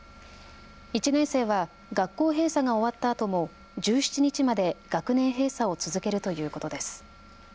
１年生は学校閉鎖が終わったあとも１７日まで学年閉鎖を続けるということです。